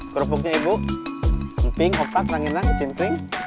kerupuknya ibu mping hopat keranginan kecimpring